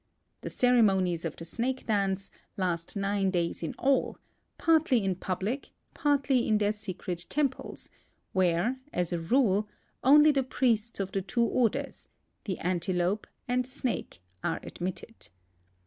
The ceremonies of the snake dance last nine days in all, partly in public, partly in their secret tem ples, where, as a rule, only the priests of the two orders — the Antelope and Snake — are admitted.